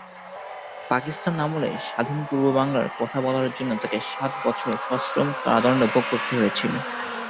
পাকিস্তান আমলে "স্বাধীন পূর্ব বাংলার" কথা বলার জন্য তাকে সাত বছর সশ্রম কারাদণ্ড ভোগ করতে হয়েছিল।